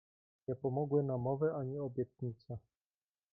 "Nie pomogły namowy, ani obietnice."